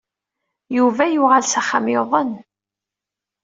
Yuba yuɣal s axxam yuḍen.